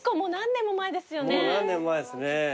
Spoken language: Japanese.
もう何年も前ですね。